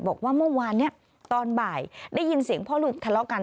บอกว่าเมื่อวานนี้ตอนบ่ายได้ยินเสียงพ่อลูกทะเลาะกัน